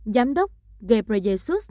giám đốc ghebreyesus